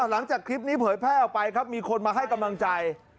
หลังจากคลิปนี้เผยแพร่ออกไปครับมีคนมาให้กำลังใจ